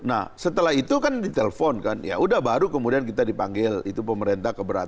nah setelah itu kan ditelepon kan ya udah baru kemudian kita dipanggil itu pemerintah keberatan